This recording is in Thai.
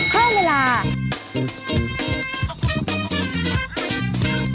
ข้าวไทยไทย